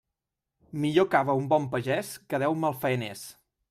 Millor cava un bon pagés que deu malfaeners.